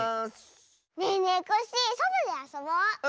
ねえねえコッシーそとであそぼう！